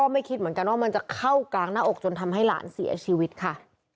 ไม่คิดเหมือนกันว่ามันจะเข้ากลางหน้าอกจนทำให้หลานเสียชีวิตค่ะ